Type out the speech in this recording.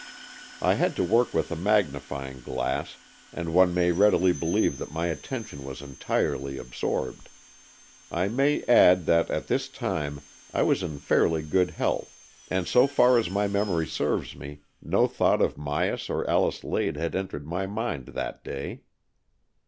I had to work with a magnifying glass, and one may readily believe that my attention was entirely absorbed. I may add that at this time I was in fairly good health, and so far as my memory serves me, no thought of Myas or Alice Lade had entered my mind that day.